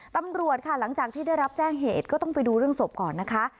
ตำรวจค่ะหลังจากที่ได้รับแจ้งเหตุก็ต้องไปดูเรื่องศพก่อนนะคะ